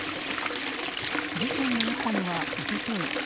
事件があったのは、一昨日。